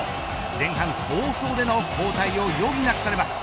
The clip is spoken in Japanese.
前半早々での交代を余儀なくされます。